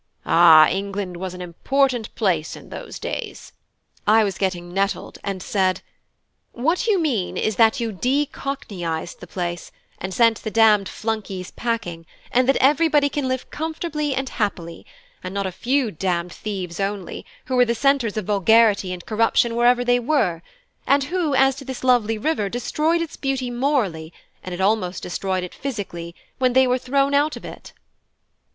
Ah! England was an important place in those days." I was getting nettled, and said: "What you mean is that you de cockneyised the place, and sent the damned flunkies packing, and that everybody can live comfortably and happily, and not a few damned thieves only, who were centres of vulgarity and corruption wherever they were, and who, as to this lovely river, destroyed its beauty morally, and had almost destroyed it physically, when they were thrown out of it."